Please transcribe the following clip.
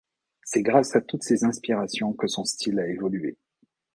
C’est grâce à toutes ces inspirations que son style a évolué.